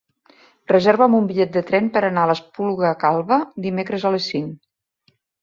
Reserva'm un bitllet de tren per anar a l'Espluga Calba dimecres a les cinc.